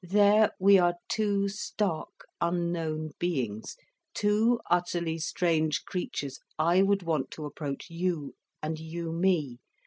There we are two stark, unknown beings, two utterly strange creatures, I would want to approach you, and you me.